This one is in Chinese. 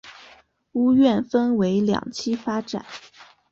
屋苑分为两期发展。